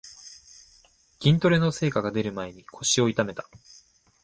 筋トレの成果がでる前に腰を痛めた